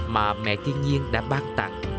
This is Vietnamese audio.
mà mẹ thiên nhiên đã ban tặng